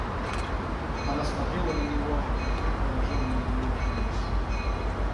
Она смотрела на него, но вдруг выражение ее изменилось.